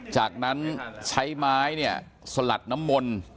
จากนั้นใช้ไม้เนี่ยสลัดน้ำมนต์